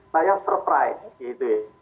saya surprise gitu ya